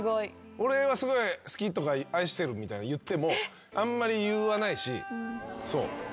俺はすごい好きとか愛してるみたいの言ってもあんまり言わないし。